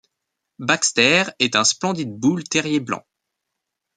Baxter est un splendide Bull Terrier blanc.